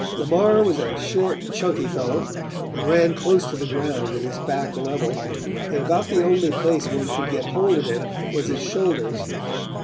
"Lamar was a short, chunky fellow and ran close to the ground with his back level, and about the only place one could get hold of him was his shoulders.